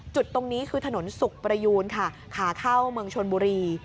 จุดตรงนี้คือถนนสุขประยูนค่ะขาเข้าเมืองชนบุรี